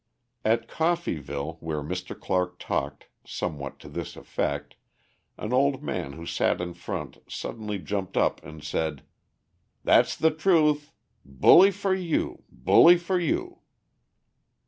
At Coffeeville, where Mr. Clark talked somewhat to this effect, an old man who sat in front suddenly jumped up and said: "That's the truth! Bully for you; bully for you!"